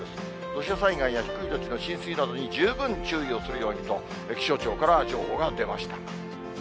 土砂災害や低い土地の浸水などに十分注意をするようにと、気象庁からは情報が出ました。